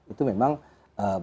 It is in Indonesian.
itu memang eee